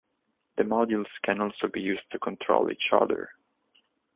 The modules can also be used to control each other.